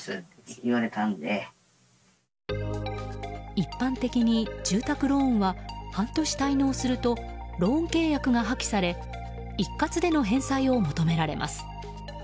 一般的に住宅ローンは半年滞納するとローン契約が破棄され一括での返済を求められます。